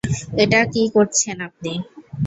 এটা কী করেছেন আপনি?